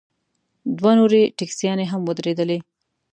دوه نورې ټیکسیانې هم ودرېدلې.